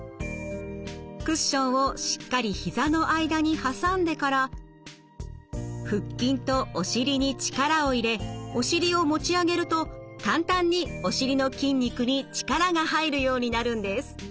クッションをしっかりひざの間に挟んでから腹筋とお尻に力を入れお尻を持ち上げると簡単にお尻の筋肉に力が入るようになるんです。